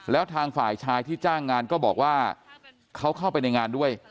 แล้วทางฝ่ายชายที่จ้างงานก็บอกว่าเขาเข้าไปในงานด้วย